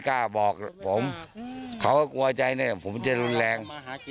แต่ผมก็เพิ่งมารู้ทีหลังด้วยนะจริง